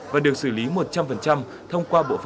và được xử lý một trăm linh thông qua